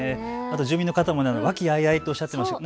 住民の方も和気あいあいとおっしゃっていました。